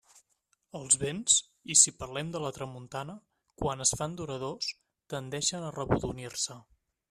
Els vents, i si parlem de la tramuntana, quan es fan duradors, tendeixen a rebordonir-se.